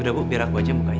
udah bu biar aku aja mukanya